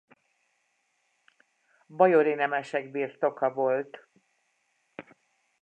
Bajori nemesek birtoka volt.